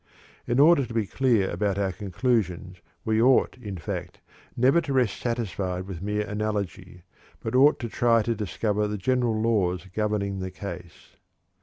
In order to be clear about our conclusions, we ought, in fact, never to rest satisfied with mere analogy, but ought to try to discover the general laws governing the case.